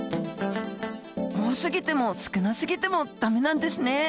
多すぎても少なすぎても駄目なんですね。